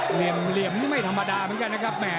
เหลี่ยมนี่ไม่ธรรมดาเหมือนกันนะครับ